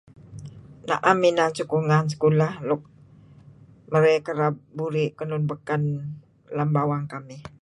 [chewing...] naam inan [unintelligible] sekolah luk marey burih kenuan lun bakan lam bawang kamih.